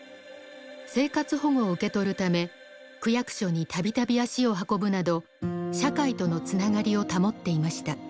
生活保護を受け取るため区役所に度々足を運ぶなど社会とのつながりを保っていました。